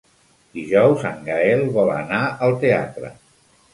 Dijous en Gaël vol anar al teatre.